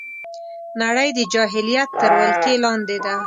نړۍ د جاهلیت تر ولکې لاندې ده